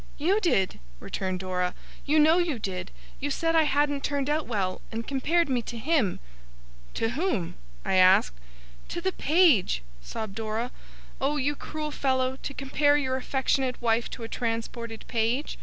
'You did,' returned Dora. 'You know you did. You said I hadn't turned out well, and compared me to him.' 'To whom?' I asked. 'To the page,' sobbed Dora. 'Oh, you cruel fellow, to compare your affectionate wife to a transported page!